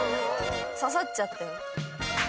刺さっちゃったよ。